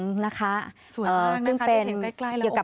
ซวยมากนะคะได้เห็นใกล้แล้วโอ้โฮ